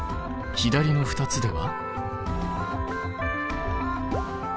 右の２つでは？